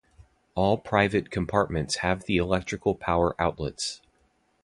All private compartments have the electrical power outlets.